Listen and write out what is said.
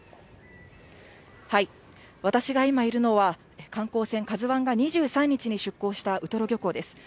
私が今いるのは、観光船カズワンが２３日に出航したウトロ漁港です。